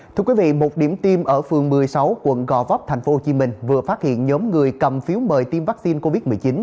thưa quý vị một điểm tiêm ở phường một mươi sáu quận gò vóc tp hcm vừa phát hiện nhóm người cầm phiếu mời tiêm vaccine covid một mươi chín